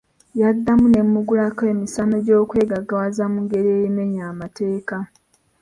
Yaddamu nemuggulako emisano gy'okwegaggawaza mu ngeri emenya amateeka.